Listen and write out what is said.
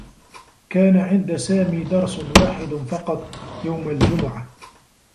كان عند سامي درس واحد فقط يوم الجمعة.